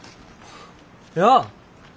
やあ！